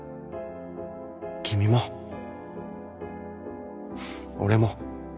君も俺も。